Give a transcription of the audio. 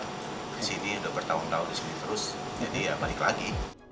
di sini udah bertahun tahun di sini terus jadi ya balik lagi